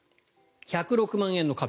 １０６万円の壁。